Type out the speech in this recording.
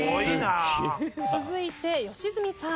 続いて吉住さん。